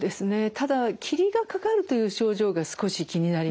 ただ霧がかかるという症状が少し気になります。